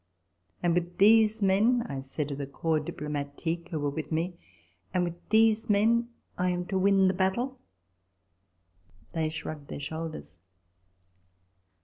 " And with these men," I said to the Corps Diplomatique who were with me, " And with these men I am to win the battle." They shrugged their shoulders.